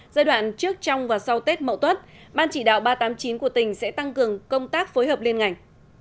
giai đoạn trước trong và sau tết mậu tuất ban chỉ đạo ba trăm tám mươi chín của tỉnh sẽ tăng cường công tác phối hợp liên ngành